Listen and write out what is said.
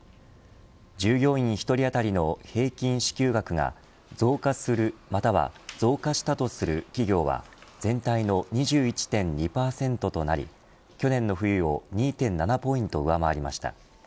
従業員１人当たりの平均支給額が増加する、または増加したとする企業は全体の２１．２％となり去年の冬を２．７ポイント上回りました。